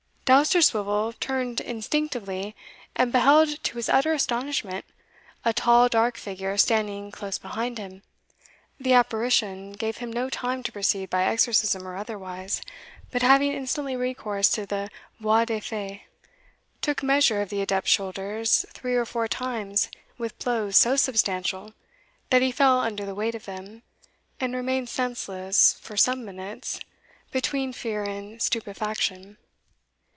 Dousterswivel turned instinctively, and beheld, to his utter astonishment, a tall dark figure standing close behind him. The apparition gave him no time to proceed by exorcism or otherwise, but having instantly recourse to the voie de fait, took measure of the adept's shoulders three or four times with blows so substantial, that he fell under the weight of them, and remained senseless for some minutes between fear and stupefaction.